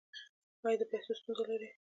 ایا د پیسو ستونزه لرئ؟